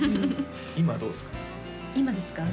今どうですか？